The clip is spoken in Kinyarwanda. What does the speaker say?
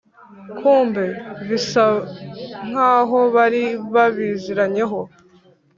kumbe bisa nkaho bari babiziranyeho